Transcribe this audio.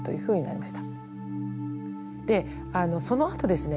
そのあとですね